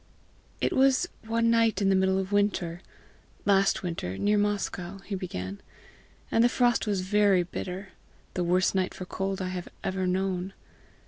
"It was one night in the middle of winter last winter, near Moscow," he began, "and the frost was very bitter the worst night for cold I have ever known.